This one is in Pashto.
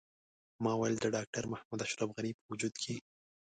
ما ویل د ډاکټر محمد اشرف غني په وجود کې.